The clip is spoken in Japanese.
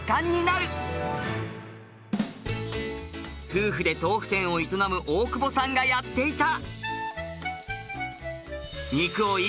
夫婦で豆腐店を営む大久保さんがやっていた！